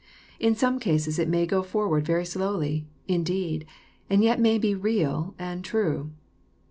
In some cases it may go forward very slowly indeed, and yet may be real and true.